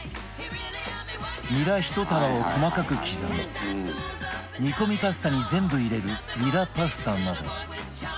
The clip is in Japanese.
ニラひと束を細かく刻み煮込みパスタに全部入れるニラパスタなど